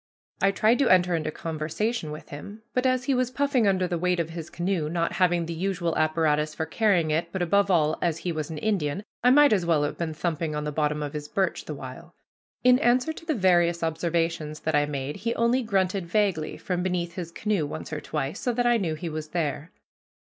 I tried to enter into conversation with him, but as he was puffing under the weight of his canoe, not having the usual apparatus for carrying it, but, above all, as he was an Indian, I might as well have been thumping on the bottom of his birch the while. In answer to the various observations that I made he only grunted vaguely from beneath his canoe once or twice, so that I knew he was there.